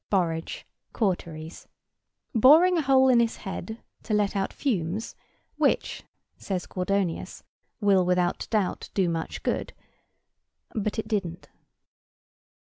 Borage. Cauteries. Boring a hole in his head to let out fumes, which (says Gordonius) "will, without doubt, do much good." But it didn't.